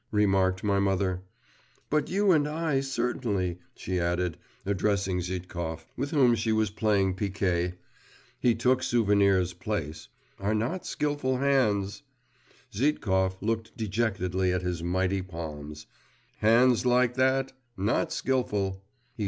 remarked my mother; 'but you and I, certainly,' she added, addressing Zhitkov, with whom she was playing picquet he took Souvenir's place, 'are not skilful hands!' Zhitkov looked dejectedly at his mighty palms.… 'Hands like that! Not skilful!